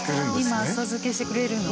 今浅漬けしてくれるの？